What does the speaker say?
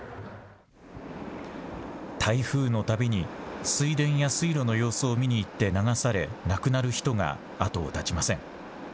台風のたびに水田や水路の様子を見に行って流され亡くなる人が後を絶ちません。